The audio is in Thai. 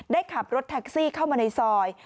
ได้ขับรถแท็กซี่เข้ามาในซอย